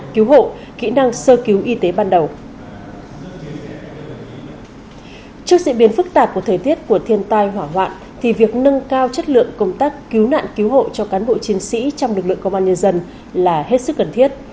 trước diễn biến phức tạp của thời tiết của thiên tai hỏa hoạn thì việc nâng cao chất lượng công tác cứu nạn cứu hộ cho cán bộ chiến sĩ trong lực lượng công an nhân dân là hết sức cần thiết